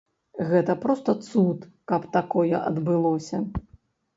Гэта проста цуд, каб такое адбылося.